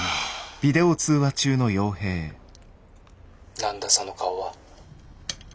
「何だその顔は」。